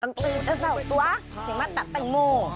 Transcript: ตังตือจะเสาตัวหรือม็อบตุดตังโม